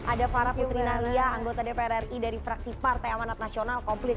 ada farah putri nadia anggota dpr ri dari fraksi partai amanat nasional komplit